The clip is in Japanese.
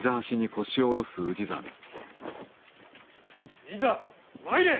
いざ参れ！